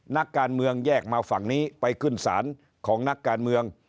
นักการเมืองแยกมาฝั่งนี้ไปขึ้นศาลของนักการเมือง